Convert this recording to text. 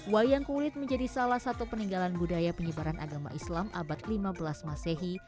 wayang kulit menjadi salah satu peninggalan budaya penyebaran agama islam abad lima belas masehi